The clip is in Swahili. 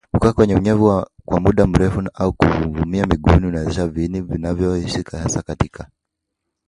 Kukaa kwenye unyevu kwa muda mrefu au kuumia mguuni huwezesha viini vinavyoishi hasa katika